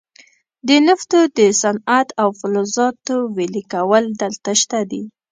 د نفتو د صنعت او فلزاتو ویلې کول دلته شته دي.